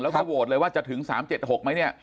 แล้วก็โหวตเลยว่าจะถึง๓๗๖ไหมเนี่ย